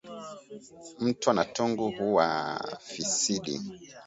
mtwa na tungu huwafisidi